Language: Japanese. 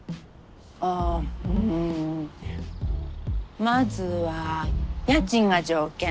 ああうんまずは家賃が条件。